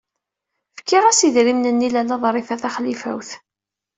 Fkiɣ-as idrimen-nni i Lalla Ḍrifa Taxlifawt.